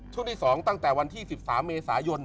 ช่วงที่๒ตั้งแต่วันที่๑๓เมษายน